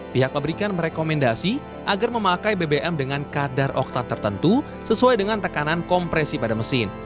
pihak pabrikan merekomendasi agar memakai bbm dengan kadar oktat tertentu sesuai dengan tekanan kompresi pada mesin